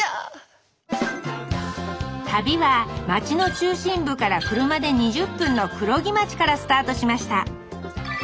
旅は町の中心部から車で２０分の黒木町からスタートしました。